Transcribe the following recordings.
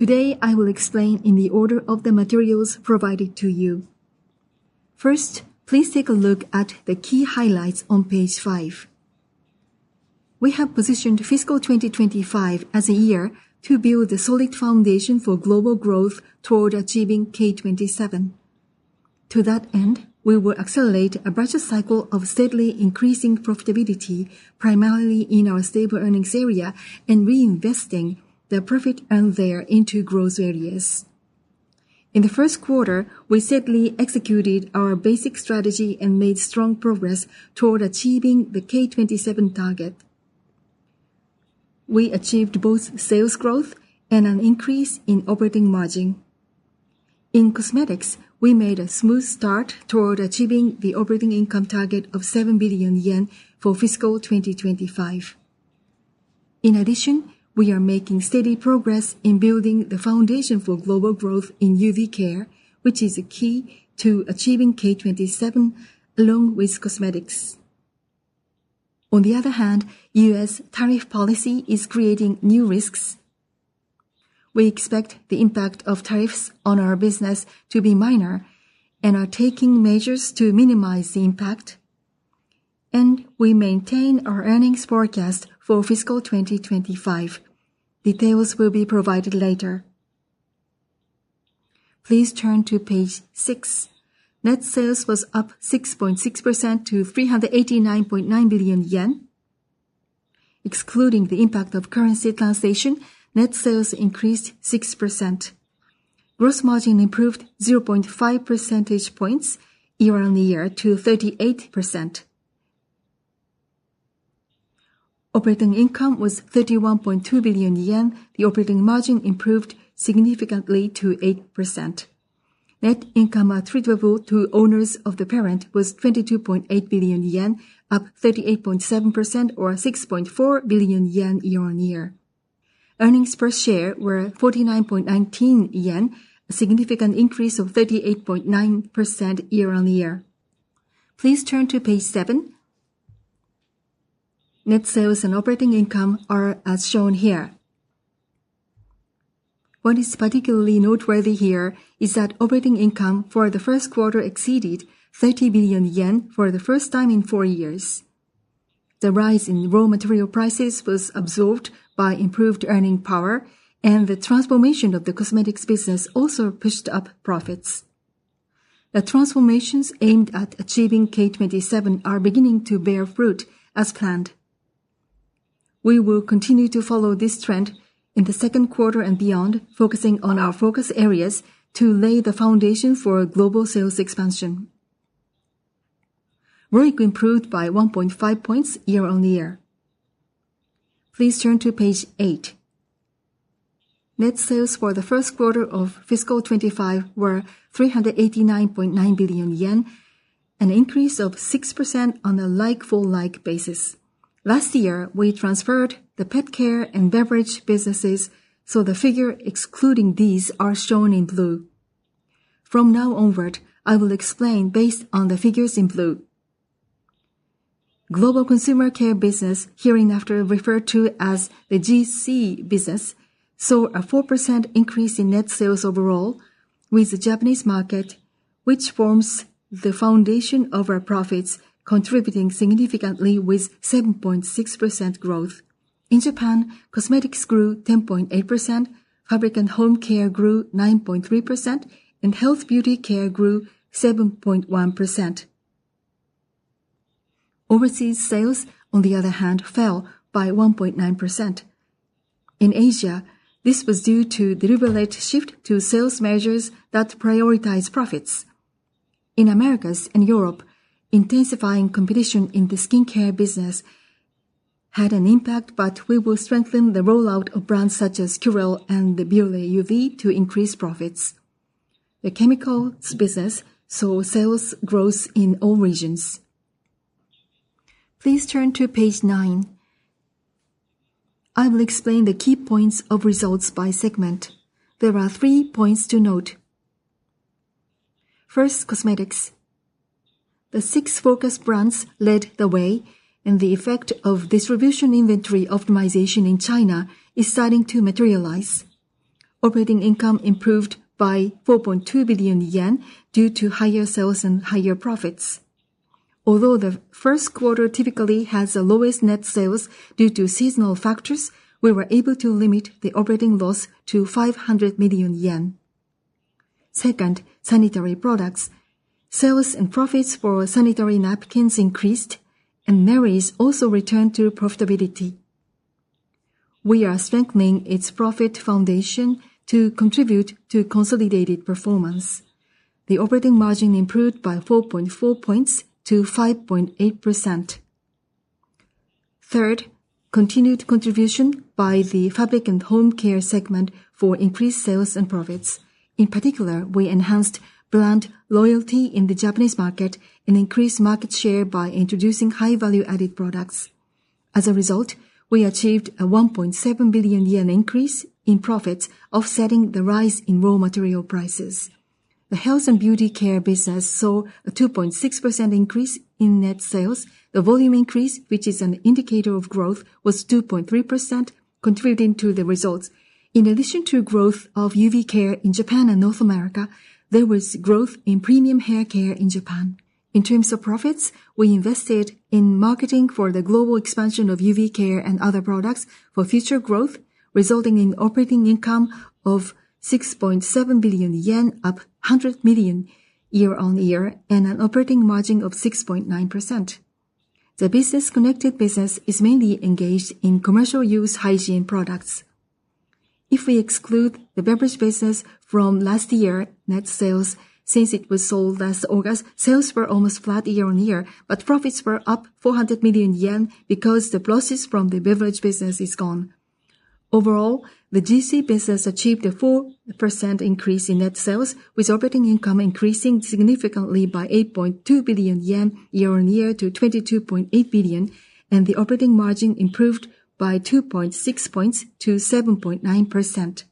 Today I will explain in the order of the materials provided to you. First, please take a look at the key highlights on page five. We have positioned fiscal 2025 as a year to build a solid foundation for global growth toward achieving K27. To that end, we will accelerate a virtuous cycle of steadily increasing profitability, primarily in our stable earnings area and reinvesting the profit earned there into growth areas. In the first quarter, we steadily executed our basic strategy and made strong progress toward achieving the K27 target. We achieved both sales growth and an increase in operating margin. In cosmetics, we made a smooth start toward achieving the operating income target of 7 billion yen for fiscal 2025. In addition, we are making steady progress in building the foundation for global growth in UV care, which is a key to achieving K27 along with cosmetics. On the other hand, U.S. tariff policy is creating new risks. We expect the impact of tariffs on our business to be minor and are taking measures to minimize the impact. And we maintain our earnings forecast for fiscal 2025. Details will be provided later. Please turn to page six. Net sales was up 6.6% to 389.9 billion yen. Excluding the impact of currency translation, net sales increased 6%. Gross margin improved 0.5 percentage points year-on-year to 38%. Operating income was 31.2 billion yen. The operating margin improved significantly to 8%. Net income attributable to owners of the parent was 22.8 billion yen, up 38.7% or 6.4 billion yen year-on-year. Earnings per share were 49.19 yen, a significant increase of 38.9% year-on-year. Please turn to page seven. Net sales and operating income are as shown here. What is particularly noteworthy here is that operating income for the first quarter exceeded 30 billion yen for the first time in four years. The rise in raw material prices was absorbed by improved earning power, and the transformation of the Cosmetics Business also pushed up profits. The transformations aimed at achieving K27 are beginning to bear fruit as planned. We will continue to follow this trend in the second quarter and beyond, focusing on our focus areas to lay the foundation for global sales expansion. ROIC improved by 1.5 points year-on-year. Please turn to page eight. Net sales for the first quarter of fiscal 2025 were 389.9 billion yen, an increase of 6% on a like-for-like basis. Last year, we transferred the pet care and beverage businesses, so the figure excluding these is shown in blue. From now onward, I will explain based on the figures in blue. Global Consumer Care Business, hereafter referred to as the GC business, saw a 4% increase in net sales overall with the Japanese market, which forms the foundation of our profits, contributing significantly with 7.6% growth. In Japan, cosmetics grew 10.8%, fabric and home care grew 9.3%, and health and beauty care grew 7.1%. Overseas sales, on the other hand, fell by 1.9%. In Asia, this was due to the travel-led shift to sales measures that prioritize profits. In Americas and Europe, intensifying competition in the skincare business had an impact, but we will strengthen the rollout of brands such as Curél and the Bioré UV to increase profits. The Chemicals Business saw sales growth in all regions. Please turn to page nine. I will explain the key points of results by segment. There are three points to note. First, cosmetics. The six focus brands led the way, and the effect of distribution inventory optimization in China is starting to materialize. Operating income improved by 4.2 billion yen due to higher sales and higher profits. Although the first quarter typically has the lowest net sales due to seasonal factors, we were able to limit the operating loss to 500 million yen. Second, sanitary products. Sales and profits for sanitary napkins increased, and Merries also returned to profitability. We are strengthening its profit foundation to contribute to consolidated performance. The operating margin improved by 4.4 points to 5.8%. Third, continued contribution by the Fabric and Home Care segment for increased sales and profits. In particular, we enhanced brand loyalty in the Japanese market and increased market share by introducing high-value-added products. As a result, we achieved a 1.7 billion yen increase in profits, offsetting the rise in raw material prices. The Health and Beauty Care Business saw a 2.6% increase in net sales. The volume increase, which is an indicator of growth, was 2.3%, contributing to the results. In addition to growth of UV Care in Japan and North America, there was growth in premium hair care in Japan. In terms of profits, we invested in marketing for the global expansion of UV Care and other products for future growth, resulting in operating income of 6.7 billion yen, up 100 million year-on-year, and an operating margin of 6.9%. The business-connected business is mainly engaged in commercial use hygiene products. If we exclude the beverage business from last year's net sales, since it was sold last August, sales were almost flat year-on-year, but profits were up 400 million yen because the pluses from the beverage business are gone. Overall, the GC business achieved a 4% increase in net sales, with operating income increasing significantly by 8.2 billion yen year-on-year to 22.8 billion, and the operating margin improved by 2.6 points to 7.9%.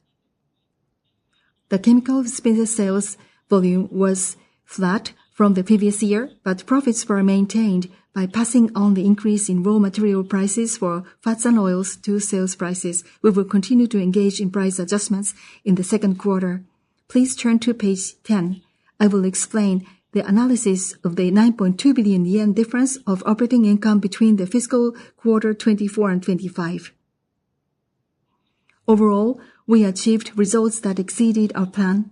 The Chemicals Business sales volume was flat from the previous year, but profits were maintained by passing on the increase in raw material prices for fats and oils to sales prices. We will continue to engage in price adjustments in the second quarter. Please turn to page 10. I will explain the analysis of the 9.2 billion yen difference of operating income between the fiscal quarter 2024 and 2025. Overall, we achieved results that exceeded our plan.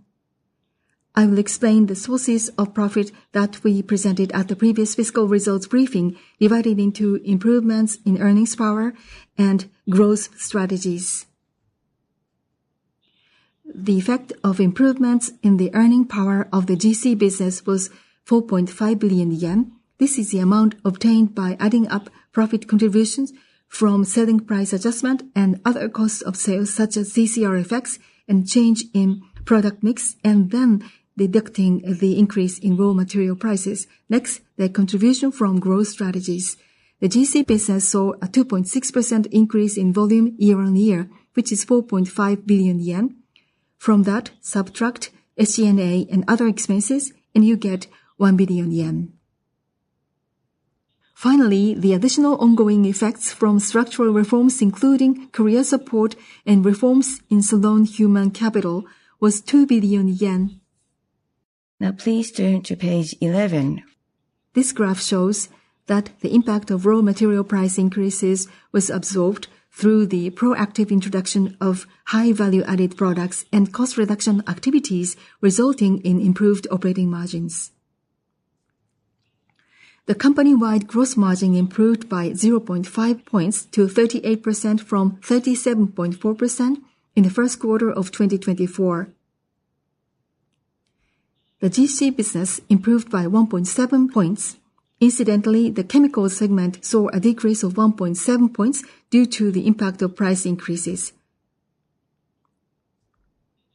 I will explain the sources of profit that we presented at the previous fiscal results briefing, divided into improvements in earnings power and growth strategies. The effect of improvements in the earning power of the GC business was 4.5 billion yen. This is the amount obtained by adding up profit contributions from selling price adjustment and other costs of sales, such as TCR effects and change in product mix, and then deducting the increase in raw material prices. Next, the contribution from growth strategies. The GC business saw a 2.6% increase in volume year-on-year, which is 4.5 billion yen. From that, subtract SG&A and other expenses, and you get 1 billion yen. Finally, the additional ongoing effects from structural reforms, including career support and reforms in Salon, Human Capital, was 2 billion yen. Now, please turn to page 11. This graph shows that the impact of raw material price increases was absorbed through the proactive introduction of high-value-added products and cost reduction activities, resulting in improved operating margins. The company-wide gross margin improved by 0.5 points to 38% from 37.4% in the first quarter of 2024. The GC Business improved by 1.7 points. Incidentally, the Chemicals segment saw a decrease of 1.7 points due to the impact of price increases.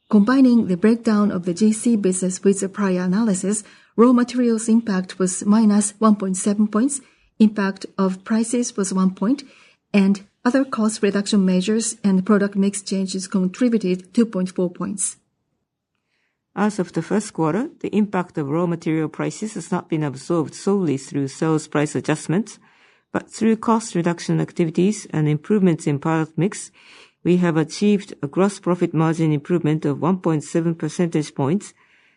Combining the breakdown of the GC Business with the prior analysis, raw materials impact was minus 1.7 points, impact of prices was one point, and other cost reduction measures and product mix changes contributed 2.4 points. As of the first quarter, the impact of raw material prices has not been absorbed solely through sales price adjustments, but through cost reduction activities and improvements in product mix, we have achieved a gross profit margin improvement of 1.7 percentage points,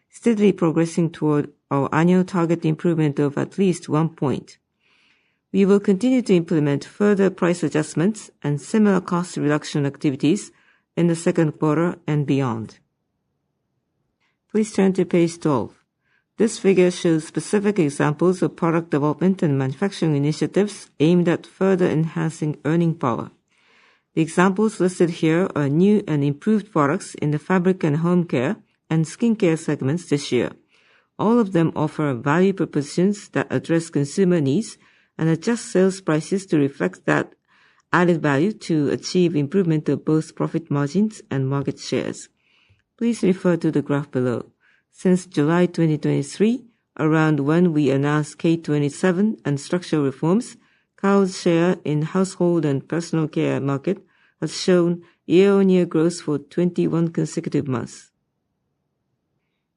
steadily progressing toward our annual target improvement of at least 1 point. We will continue to implement further price adjustments and similar cost reduction activities in the second quarter and beyond. Please turn to page 12. This figure shows specific examples of product development and manufacturing initiatives aimed at further enhancing earning power. The examples listed here are new and improved products in the Fabric and Home Care and skincare segments this year. All of them offer value propositions that address consumer needs and adjust sales prices to reflect that added value to achieve improvement of both profit margins and market shares. Please refer to the graph below. Since July 2023, around when we announced K27 and structural reforms, Kao's share in household and personal care market has shown year-on-year growth for 21 consecutive months.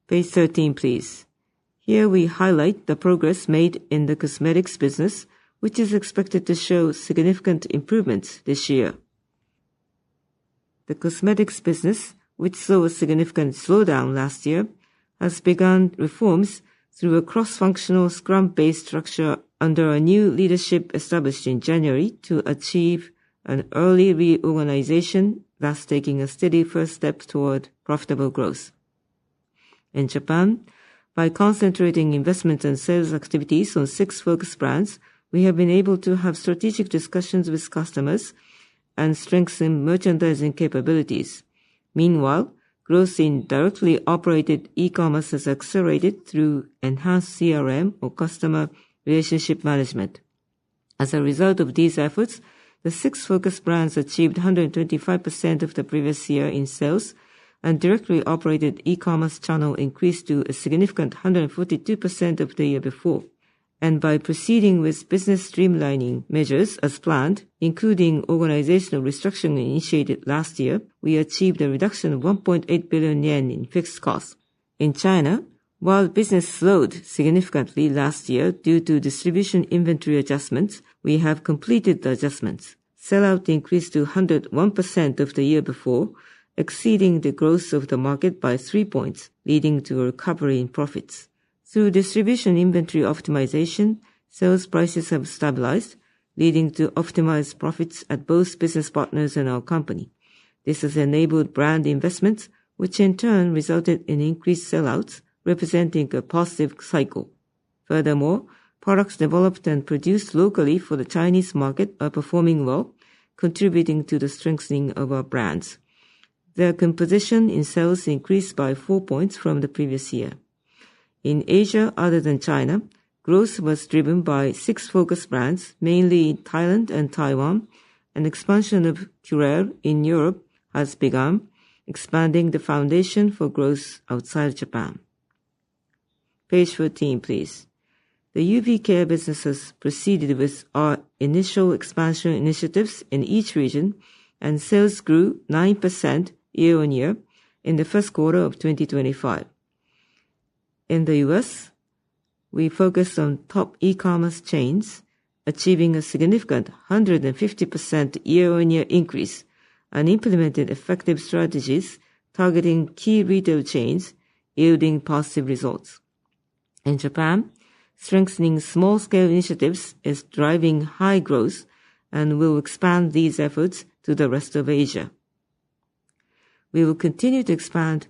Page 13, please. Here we highlight the progress made in the Cosmetics Business, which is expected to show significant improvements this year. The Cosmetics Business, which saw a significant slowdown last year, has begun reforms through a cross-functional scrum-based structure under a new leadership established in January to achieve an early reorganization, thus taking a steady first step toward profitable growth. In Japan, by concentrating investment and sales activities on six focus brands, we have been able to have strategic discussions with customers and strengthen merchandising capabilities. Meanwhile, growth in directly operated e-commerce has accelerated through enhanced CRM or customer relationship management. As a result of these efforts, the six focus brands achieved 125% of the previous year in sales, and directly operated e-commerce channel increased to a significant 142% of the year before. And by proceeding with business streamlining measures as planned, including organizational restructuring initiated last year, we achieved a reduction of 1.8 billion yen in fixed costs. In China, while business slowed significantly last year due to distribution inventory adjustments, we have completed the adjustments. Sell-out increased to 101% of the year before, exceeding the growth of the market by three points, leading to a recovery in profits. Through distribution inventory optimization, sales prices have stabilized, leading to optimized profits at both business partners and our company. This has enabled brand investments, which in turn resulted in increased sell-outs, representing a positive cycle. Furthermore, products developed and produced locally for the Chinese market are performing well, contributing to the strengthening of our brands. Their composition in sales increased by 4 points from the previous year. In Asia other than China, growth was driven by six focus brands, mainly Thailand and Taiwan. An expansion of Curél in Europe has begun, expanding the foundation for growth outside Japan. Page 14, please. The UV Care businesses proceeded with our initial expansion initiatives in each region, and sales grew 9% year-on-year in the first quarter of 2025. In the U.S., we focused on top e-commerce chains, achieving a significant 150% year-on-year increase and implemented effective strategies targeting key retail chains, yielding positive results. In Japan, strengthening small-scale initiatives is driving high growth and will expand these efforts to the rest of Asia. We will continue to expand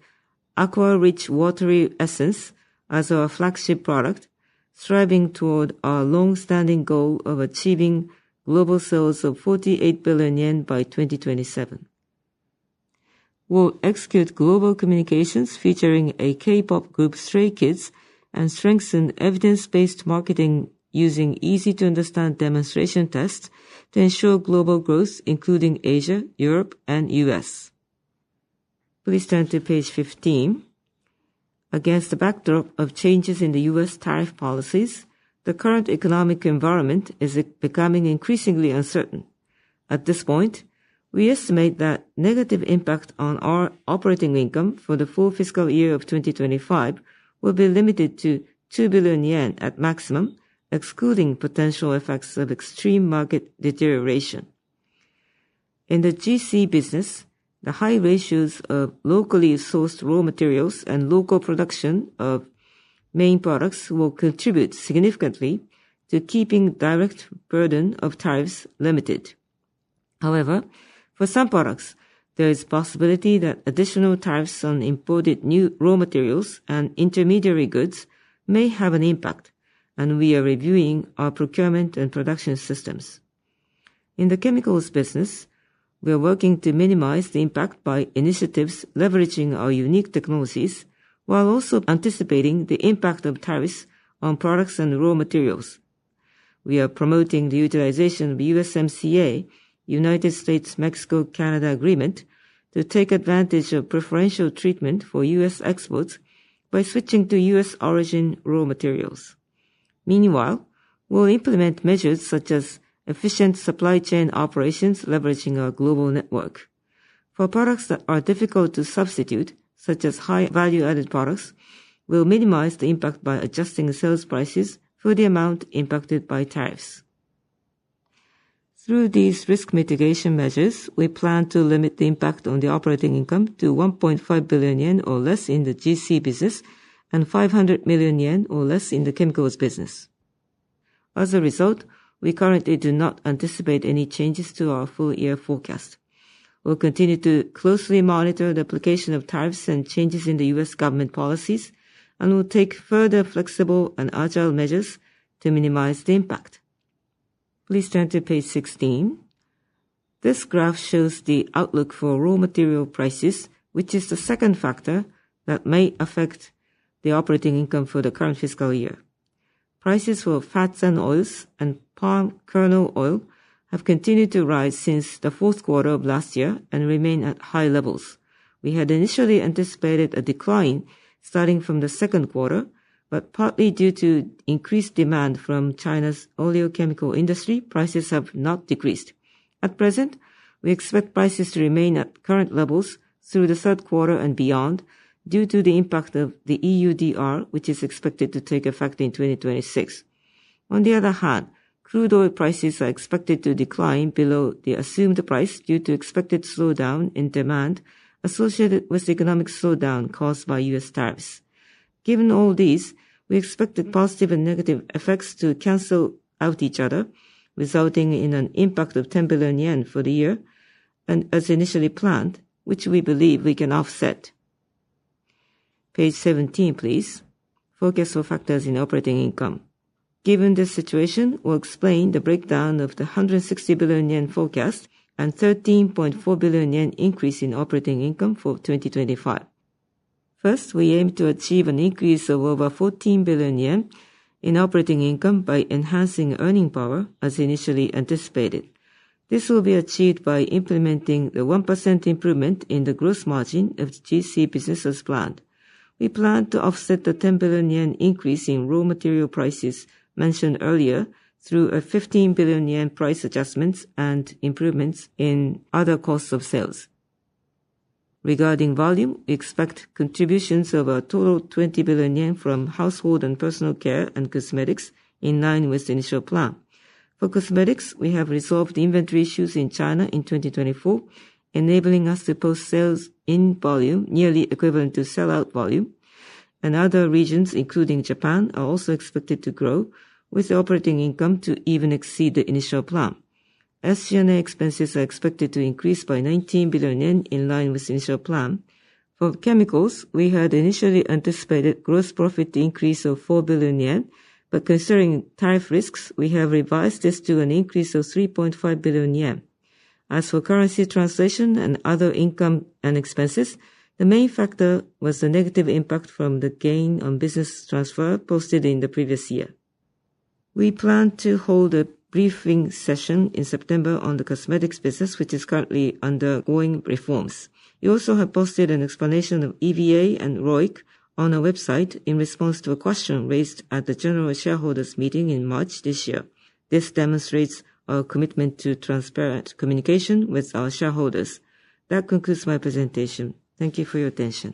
Aqua Rich Watery Essence as our flagship product, striving toward our long-standing goal of achieving global sales of 48 billion yen by 2027. We'll execute global communications featuring a K-pop group Stray Kids and strengthen evidence-based marketing using easy-to-understand demonstration tests to ensure global growth, including Asia, Europe, and U.S. Please turn to page 15. Against the backdrop of changes in the U.S. tariff policies, the current economic environment is becoming increasingly uncertain. At this point, we estimate that negative impact on our operating income for the full fiscal year of 2025 will be limited to 2 billion yen at maximum, excluding potential effects of extreme market deterioration. In the GC business, the high ratios of locally sourced raw materials and local production of main products will contribute significantly to keeping the direct burden of tariffs limited. However, for some products, there is a possibility that additional tariffs on imported new raw materials and intermediary goods may have an impact, and we are reviewing our procurement and production systems. In the Chemicals Business, we are working to minimize the impact by initiatives leveraging our unique technologies while also anticipating the impact of tariffs on products and raw materials. We are promoting the utilization of USMCA, United States-Mexico-Canada Agreement to take advantage of preferential treatment for U.S. exports by switching to U.S. origin raw materials. Meanwhile, we'll implement measures such as efficient supply chain operations leveraging our global network. For products that are difficult to substitute, such as high-value-added products, we'll minimize the impact by adjusting sales prices for the amount impacted by tariffs. Through these risk mitigation measures, we plan to limit the impact on the operating income to 1.5 billion yen or less in the GC Business and 500 million yen or less in the Chemicals Business. As a result, we currently do not anticipate any changes to our full year forecast. We'll continue to closely monitor the application of tariffs and changes in the U.S. government policies, and we'll take further flexible and agile measures to minimize the impact. Please turn to page 16. This graph shows the outlook for raw material prices, which is the second factor that may affect the operating income for the current fiscal year. Prices for fats and oils and palm kernel oil have continued to rise since the fourth quarter of last year and remain at high levels. We had initially anticipated a decline starting from the second quarter, but partly due to increased demand from China's oleochemical industry, prices have not decreased. At present, we expect prices to remain at current levels through the third quarter and beyond due to the impact of the EUDR, which is expected to take effect in 2026. On the other hand, crude oil prices are expected to decline below the assumed price due to expected slowdown in demand associated with the economic slowdown caused by U.S. tariffs. Given all these, we expect the positive and negative effects to cancel out each other, resulting in an impact of 10 billion yen for the year and as initially planned, which we believe we can offset. Page 17, please. Focus for factors in operating income. Given this situation, we'll explain the breakdown of the 160 billion yen forecast and 13.4 billion yen increase in operating income for 2025. First, we aim to achieve an increase of over 14 billion yen in operating income by enhancing earning power, as initially anticipated. This will be achieved by implementing the 1% improvement in the gross margin of the GC business as planned. We plan to offset the 10 billion yen increase in raw material prices mentioned earlier through a 15 billion yen price adjustment and improvements in other costs of sales. Regarding volume, we expect contributions of a total of 20 billion yen from household and personal care and cosmetics in line with the initial plan. For cosmetics, we have resolved inventory issues in China in 2024, enabling us to post sales in volume nearly equivalent to sell-out volume. Other regions, including Japan, are also expected to grow, with the operating income to even exceed the initial plan. SG&A expenses are expected to increase by 19 billion yen in line with the initial plan. For chemicals, we had initially anticipated gross profit increase of 4 billion yen, but considering tariff risks, we have revised this to an increase of 3.5 billion yen. As for currency translation and other income and expenses, the main factor was the negative impact from the gain on business transfer posted in the previous year. We plan to hold a briefing session in September on the Cosmetics Business, which is currently undergoing reforms. We also have posted an explanation of EVA and ROIC on our website in response to a question raised at the General Shareholders Meeting in March this year. This demonstrates our commitment to transparent communication with our shareholders. That concludes my presentation. Thank you for your attention.